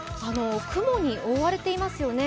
雲に覆われていますよね。